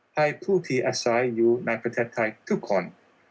ให้ผู้ที่อาศัยอยู่ในประเทศไทยทุกคน